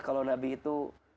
kalau nabi itu